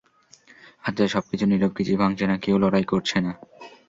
আচ্ছা, সবকিছু নীরব, কিছুই ভাঙ্গছে না, কেউ লড়াই করছে না।